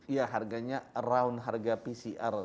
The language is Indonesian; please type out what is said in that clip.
ya harganya around harga pcr